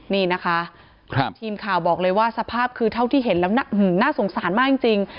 นี่นะคะทีมข่าวบอกเลยว่าสภาพคือเท่าที่เห็นแล้วน่าสงสารมากจริง